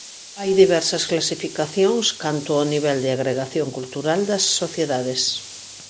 Hai diversas clasificacións canto ao nivel de agregación cultural das sociedades.